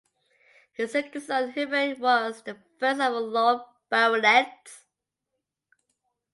His second son Herbert was the first of the Lloyd baronets.